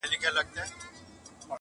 هغه مینه مړه سوه چي مي هیله نڅېده ورته،